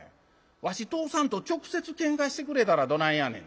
わし通さんと直接喧嘩してくれたらどないやねん。